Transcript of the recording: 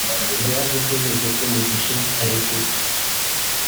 rwaje kwemeza ko Mugisha arekurwa